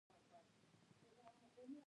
د انګورو سرکه په کورونو کې جوړیږي.